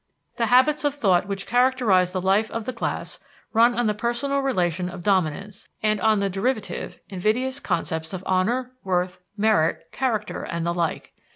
The habits of thought which characterize the life of the class run on the personal relation of dominance, and on the derivative, invidious concepts of honor, worth, merit, character, and the like.